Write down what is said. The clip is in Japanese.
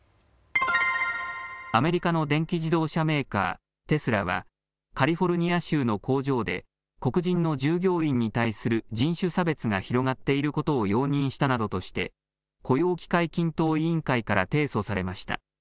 アメリカの電気自動車メーカー、テスラはカリフォルニア州の工場で黒人の従業員に対する人種差別が広がっていることを容認したなどとして雇用機会均等委員会から提訴されました。